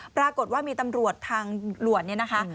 ปรากฏว่ามีตำรวจทางด่วนเนี่ยนะคะ